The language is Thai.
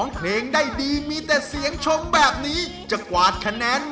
คะแนนเต็มเพลงนี้คือ๓๐คะแนน